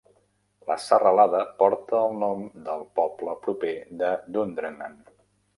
La serralada porta el nom del poble proper de Dundrennan.